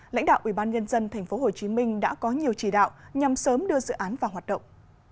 lãnh đạo ubnd tp hcm đã có nhiều chỉ đạo nhằm sớm đưa dự án vào hoạt động